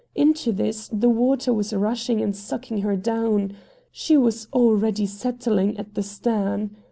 Into this the water was rushing and sucking her down. She was already settling at the stern.